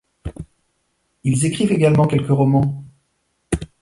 Ils écrivent également quelques romans.